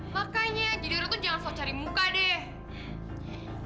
makanya jadi erah tuh jangan selalu cari muka deh